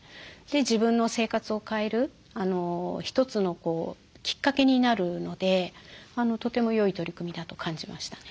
自分の生活を変える一つのきっかけになるのでとてもよい取り組みだと感じましたね。